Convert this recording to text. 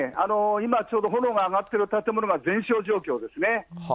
今、ちょうど炎が上がってる建物が全焼状況ですね。